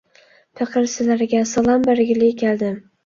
پېقىر سىلەرگە سالام بەرگىلى كەلدىم.